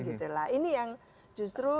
gitu lah ini yang justru